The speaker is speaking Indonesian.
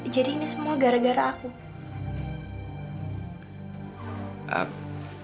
jadi ini semua gara gara aku